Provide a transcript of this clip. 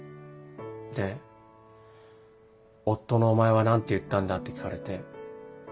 で「夫のお前は何て言ったんだ？」って聞かれて。